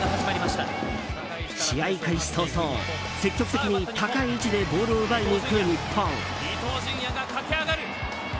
試合開始早々積極的に高い位置でボールを奪いにいく日本。